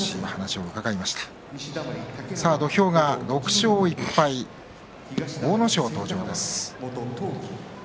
土俵上は６勝１敗の阿武咲が登場です。